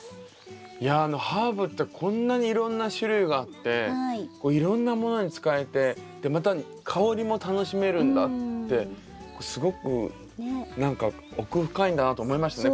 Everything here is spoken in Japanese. いやハーブってこんなにいろんな種類があっていろんなものに使えてまた香りも楽しめるんだってすごく何か奥深いなと思いましたね